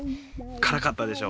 からかったでしょ？